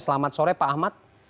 selamat sore pak ahmad